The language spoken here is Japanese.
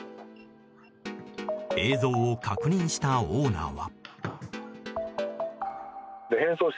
映像を確認したオーナーは。